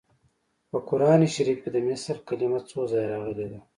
په قران شریف کې هم د مثل کلمه څو ځایه راغلې ده